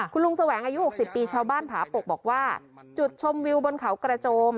คุณลุงแสวงอายุ๖๐ปีชาวบ้านผาปกบอกว่าจุดชมวิวบนเขากระโจม